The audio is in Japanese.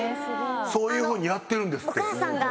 そういうふうにやってるんですって。